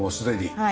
はい。